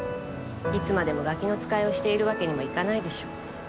いつまでもガキの使いをしているわけにもいかないでしょ。